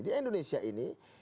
di indonesia ini